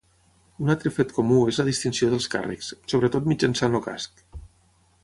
Un altre fet comú és la distinció dels càrrecs, sobretot mitjançant el casc.